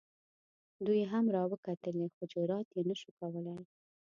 دوی هم را وکتلې خو جرات یې نه شو کولی.